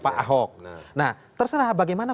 pak ahok nah terserah bagaimana